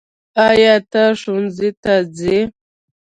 ایا ته ښؤونځي ته څې؟